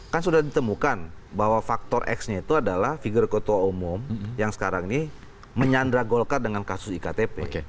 kan sudah ditemukan bahwa faktor x nya itu adalah figur ketua umum yang sekarang ini menyandra golkar dengan kasus iktp